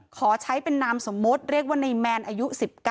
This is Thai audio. ขอใช้เป็นนามสมมุติเรียกว่าในแมนอายุ๑๙